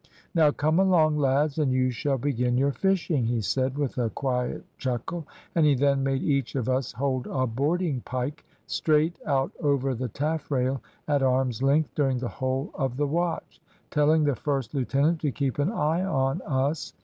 `Now, come along, lads, and you shall begin your fishing,' he said, with a quiet chuckle, and he then made each of us hold a boarding pike straight out over the taffrail, at arm's length, during the whole of the watch, telling the first lieutenant to keep an eye on us.